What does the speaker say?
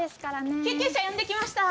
救急車呼んできました！